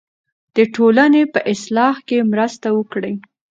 د ټولنې په اصلاح کې مرسته وکړئ.